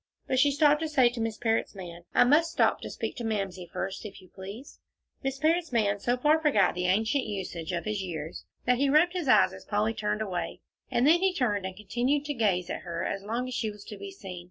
But she stopped to say to Miss Parrott's man, "I must stop to speak to Mamsie, first, if you please." Miss Parrott's man so far forgot the ancient usage of his years that he rubbed his eyes as Polly turned away, and then he turned and continued to gaze at her as long as she was to be seen.